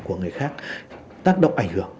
của người khác tác động ảnh hưởng